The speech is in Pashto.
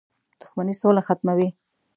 • دښمني سوله ختموي.